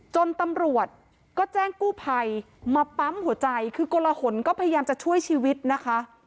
จนตำรวจก็แจ้งกู้ภัยมาปั๊มหัวใจคือกลหนก็พยายามจะช่วยชีวิตนะคะ